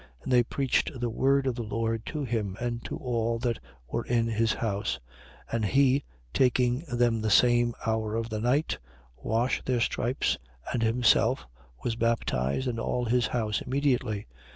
16:32. And they preached the word of the Lord to him and to all that were in his house. 16:33. And he, taking them the same hour of the night, washed their stripes: and himself was baptized, and all his house immediately.